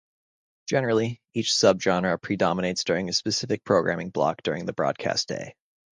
Generally, each subgenre predominates during a specific programming block during the broadcast day.